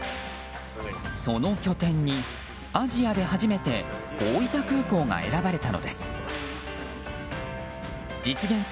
その拠点に、アジアで初めて大分空港が選ばれたのです。